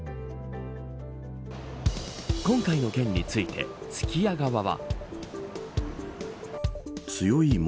今回の件について、すき家側は。